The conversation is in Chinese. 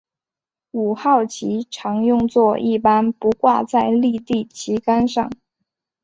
五号旗常用作一般不挂在立地旗杆上。